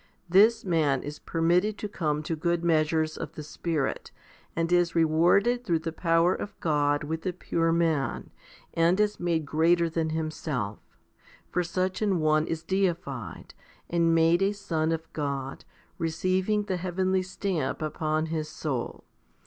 This man is permitted to come to good measures of the Spirit, and is rewarded through the power of God with the pure man, and is made greater than himself; for such an one is deified, and made a son of God, receiving the heavenly stamp upon his soul.